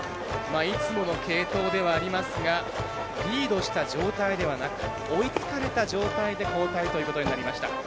いつもの継投ではありますがリードした状態ではなく追いつかれた状態で交代ということになりました。